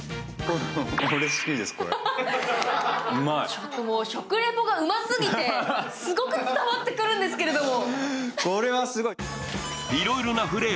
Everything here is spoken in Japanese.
食レポがうますぎてすごく伝わってくるんですけれども。